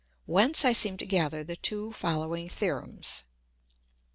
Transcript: Whence I seem to gather the two following Theorems.